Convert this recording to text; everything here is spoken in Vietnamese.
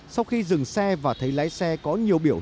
sau khi dừng xe và thấy lái xe có nhiều biểu hiện